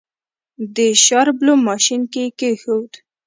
د شاربلو ماشين کې يې کېښود.